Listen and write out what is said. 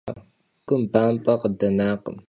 Si gum bamp'e khıdenakhım.